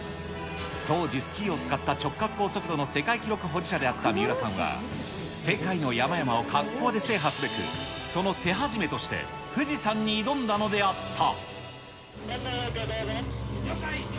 当時スキーを使った直滑降速度の世界記録保持者であった三浦さんは、世界の山々を滑降で制覇すべく、その手始めとして富士山に挑んだのであった。